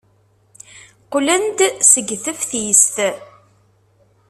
Qqlen-d seg teftist.